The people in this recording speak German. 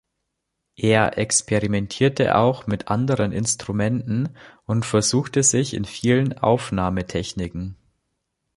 Er experimentierte auch mit anderen Instrumenten und versuchte sich in vielen Aufnahmetechniken.